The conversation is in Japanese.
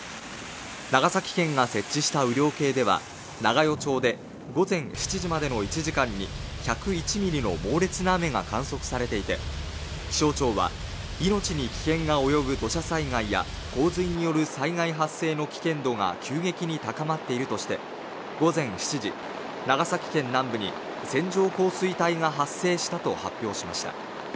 長崎県が設置した雨量計では長与町で午前７時までの１時間に１０１ミリの猛烈な雨が観測されていて気象庁は命に危険が及ぶ土砂災害や洪水による災害発生の危険度が急激に高まっているとして午前７時長崎県南部に線状降水帯が発生したと発表しました